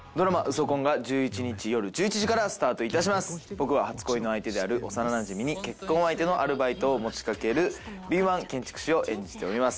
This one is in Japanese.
僕は初恋の相手である幼なじみに結婚相手のアルバイトを持ち掛ける敏腕建築士を演じております。